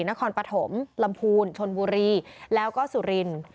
นครปฐมลำพูนชนบุรีแล้วก็สุรินทร์